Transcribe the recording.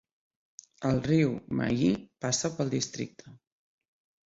El riu Mahi passa pel districte.